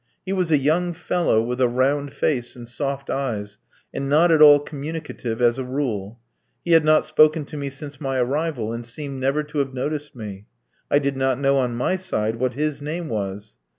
He was a young fellow, with a round face and soft eyes, and not at all communicative as a rule. He had not spoken to me since my arrival, and seemed never to have noticed me. I did not know on my side what his name was.